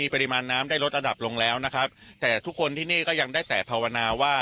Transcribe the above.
ปริมาณน้ำได้ลดระดับลงแล้วนะครับแต่ทุกคนที่นี่ก็ยังได้ใส่ภาวนาว่า